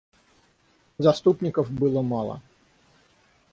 Заступников было мало.